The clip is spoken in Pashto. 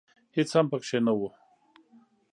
هېڅ هم پکښې نه و .